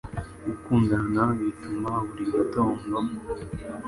Gukundana nawe bituma buri gitondo